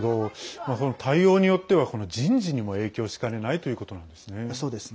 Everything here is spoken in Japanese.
対応によっては人事にも影響しかねないということなんですね。